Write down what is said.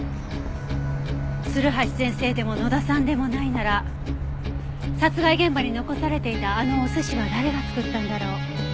鶴橋先生でも野田さんでもないなら殺害現場に残されていたあのお寿司は誰が作ったんだろう？